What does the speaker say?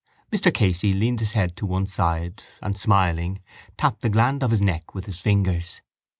Mr Casey leaned his head to one side and, smiling, tapped the gland of his neck with his fingers.